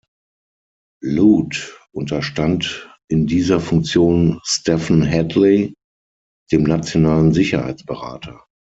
Lute unterstand in dieser Funktion Stephen Hadley, dem Nationalen Sicherheitsberater.